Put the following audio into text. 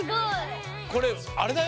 これあれだよ